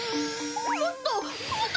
もっと！